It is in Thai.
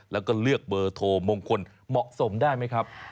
แล้วก็เลือกเบอร์โทรมงคลเหมาะสมได้ไหมครับ